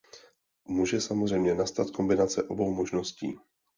Může samozřejmě nastat kombinace obou možností.